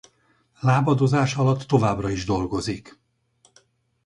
Lábadozása alatt továbbra is dolgozik.